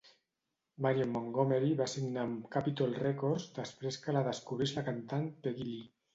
Marion Montgomery va signar amb Capitol Records després que la descobrís la cantant Peggy Lee.